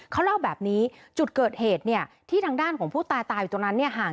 เขาเล่าแบบนี้จุดเกิดเหตุที่ทางด้านของผู้ตายตายอยู่ตรงนั้น